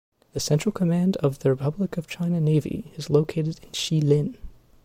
The central command of the Republic of China Navy is located in Shilin.